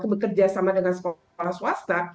bekerja sama dengan sekolah sekolah swasta